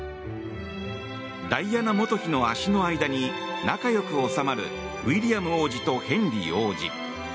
ダイアナ元妃の足の間に仲良く収まるウィリアム王子とヘンリー王子。